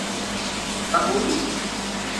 ชะอุ๋ยส์